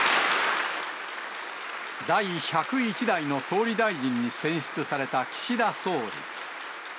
第１０１代の総理大臣に選出された岸田総理。